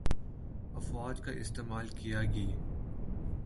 افواج کا استعمال کیا گی